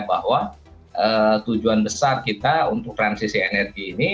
bahwa tujuan besar kita untuk transisi energi ini